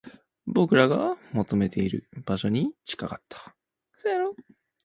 僕らが求めている場所に近かった